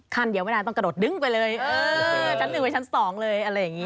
ขั้นเดียวไม่ได้ต้องกระโดดนึงไปเลยชั้น๑ไปชั้น๒เลย